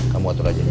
harus saya tanya dulu